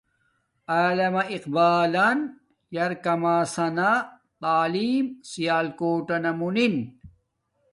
علامہ اقبالن یرکامسنا تعلیم سیالکوٹنا مونن